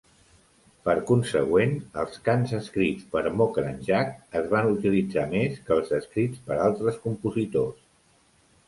Per consegüent, els cants escrits per Mokranjac es van utilitzar més que els escrits per altres compositors.